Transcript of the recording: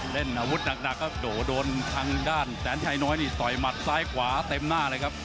เล่นอาวุธหนักครับโดโดนทางด้านแสนชัยน้อยนี่ต่อยหมัดซ้ายขวาเต็มหน้าเลยครับ